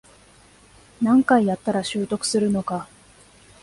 何回やったら習得するのか